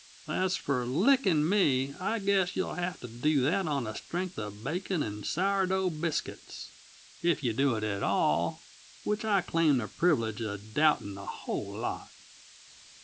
"As for licking me, I guess you'll have to do that on the strength uh bacon and sour dough biscuits; if you do it at all, which I claim the privilege uh doubting a whole lot."